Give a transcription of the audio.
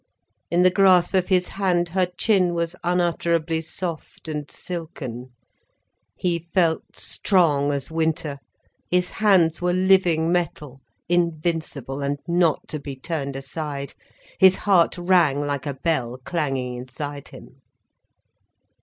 In the grasp of his hand her chin was unutterably soft and silken. He felt strong as winter, his hands were living metal, invincible and not to be turned aside. His heart rang like a bell clanging inside him.